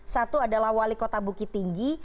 satu adalah wali kota bukit tinggi